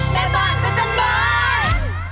แม่บ้านสณบ้าน